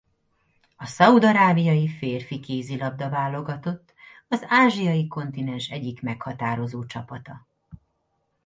A Szaúd-arábiai férfi kézilabda-válogatott az ázsiai kontinens egyik meghatározó csapata.